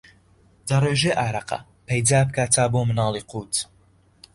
دەڕێژێ ئارەقە، پەیدا بکا تا بۆ مناڵی قووت